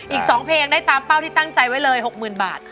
อีก๒เพลงได้ตามเป้าที่ตั้งใจไว้เลย๖๐๐๐บาท